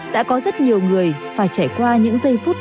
đã có rất nhiều người phải trải qua những giây phút